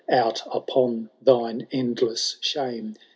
out upon thine endless shame